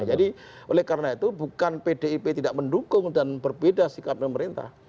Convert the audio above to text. jadi oleh karena itu bukan pdip tidak mendukung dan berbeda sikap pemerintah